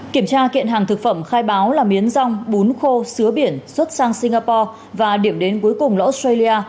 kiểm tra kiện hàng thực phẩm khai báo là miến rong bún khô biển xuất sang singapore và điểm đến cuối cùng là australia